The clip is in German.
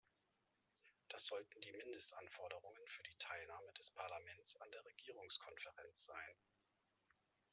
Das sollten die Mindestanforderungen für die Teilnahme des Parlaments an der Regierungskonferenz sein.